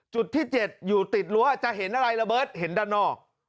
จุดที่๗อยู่ติดรั้วจะเห็นอะไรระเบิดเห็นด้านนอก